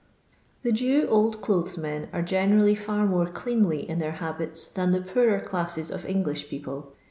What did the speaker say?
The Jew old clothes men arc generally hx n:orc cleanly in their habits than the poorer classes of English people.